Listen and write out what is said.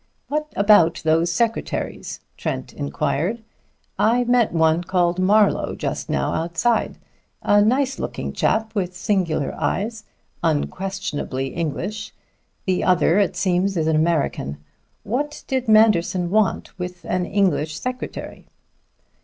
"What about these secretaries?" Trent inquired. "I met one called Marlowe just now outside; a nice looking chap with singular eyes, unquestionably English. The other, it seems, is an American. What did Manderson want with an English secretary?"